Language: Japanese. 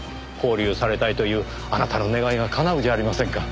勾留されたいというあなたの願いがかなうじゃありませんか。